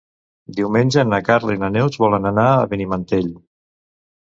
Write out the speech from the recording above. Diumenge na Carla i na Neus volen anar a Benimantell.